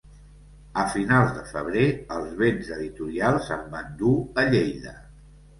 A finals de febrer els vents editorials em van dur a Lleida.